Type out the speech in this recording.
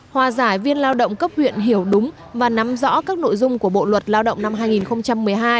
hòa giải viên lao động cấp huyện hiểu đúng và nắm rõ các nội dung của bộ luật lao động năm hai nghìn một mươi hai